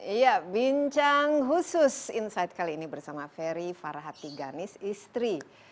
iya bincang khusus insight kali ini bersama ferry farhati ganis istri